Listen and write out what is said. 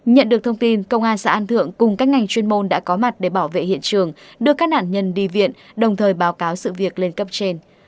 nhận được thông tin công an xã an thượng cùng các ngành chuyên môn đã có mặt để bảo vệ hiện trường đưa các nạn nhân đi viện đồng thời báo cáo sự việc lên cấp trên